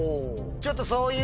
ちょっとそういう。